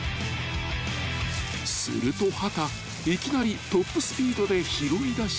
［すると秦いきなりトップスピードで拾いだした］